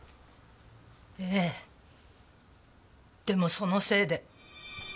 でもそのせいで。